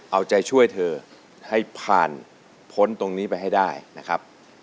เอาใจช่วยเธอให้ผ่านพ้นตรงนี้ไปให้ได้นะครับ